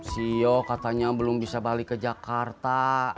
sio katanya belum bisa balik ke jakarta